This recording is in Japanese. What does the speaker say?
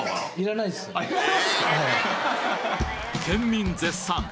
県民絶賛！